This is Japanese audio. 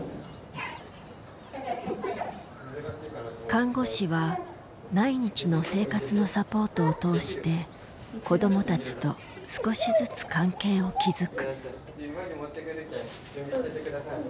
看護師は毎日の生活のサポートを通して子どもたちと少しずつ関係を築く。